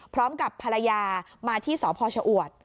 พร้อมกับภรรยามาที่สพชอวด